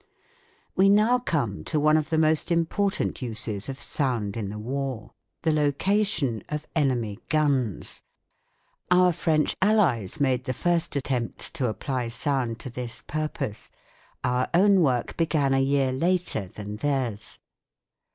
We now come to one of the most important uses of sound in the war: the location of enemy guns. Our French allies made the first attempts to apply sound to this purpose ; our own work began a year later than theirs.